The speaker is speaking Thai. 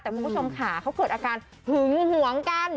แต่คุณผู้ชมค่ะเขาเกิดอาการหึงหวงกัน